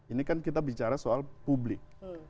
ini kan kita bicara soal publik